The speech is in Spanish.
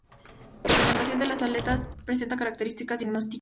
La pigmentación de las aletas presenta características diagnósticas.